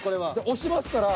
押しますから。